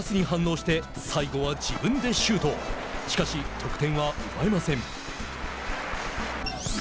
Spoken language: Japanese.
しかし、得点は奪えません。